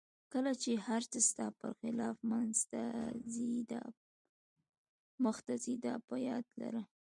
کله چې هر څه ستا په خلاف مخته ځي دا په یاد لره.